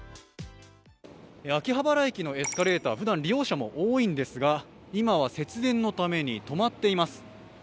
秋葉原駅のエスカレーターふだん利用者も多いんですが今は節電のために止まっています。